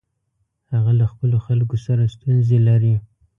هغه له خپلو خلکو سره ستونزې لري.